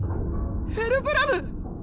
ヘルブラム！